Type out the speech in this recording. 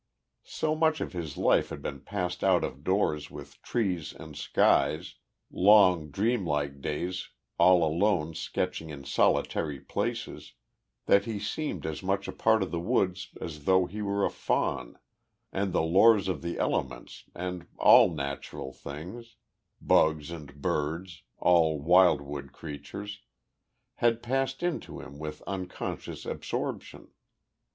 So much of his life had been passed out of doors with trees and skies, long dream like days all alone sketching in solitary places, that he seemed as much a part of the woods as though he were a faun, and the lore of the elements, and all natural things bugs and birds, all wildwood creatures had passed into him with unconscious absorption.